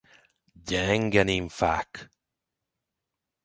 Gyenge Nimfák!